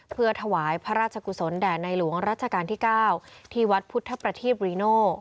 เพื่อถวายพระราชกุศลแด่ในหลวงรัชกาลที่๙ที่วัดพุทธประทีปริโน